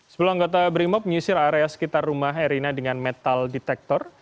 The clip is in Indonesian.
sebelum anggota brimop menyisir area sekitar rumah erina dengan metal detektor